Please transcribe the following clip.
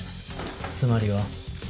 つまりは。